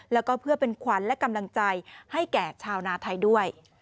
แล้วก็เพื่อเป็นขวัญและกำลังใจให้แก่ชาวนาไทยด้วย